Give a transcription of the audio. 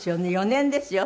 ４年ですよ。